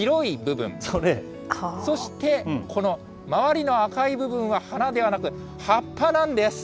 そしてこの周りの赤い部分は花ではなく、葉っぱなんです。